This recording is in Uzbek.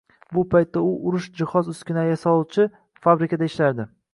Bu paytda u urush jihoz-uskunalari yasovchi fabrikada ishlardi